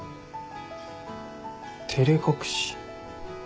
照れ隠し？